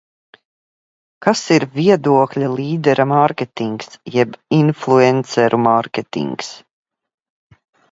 Kas ir viedokļa līdera mārketings jeb influenceru mārketings?